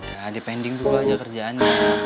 ya dipending dulu aja kerjaannya